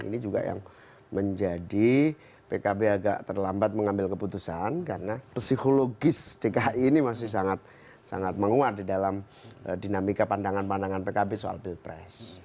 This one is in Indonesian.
ini juga yang menjadi pkb agak terlambat mengambil keputusan karena psikologis dki ini masih sangat menguat di dalam dinamika pandangan pandangan pkb soal pilpres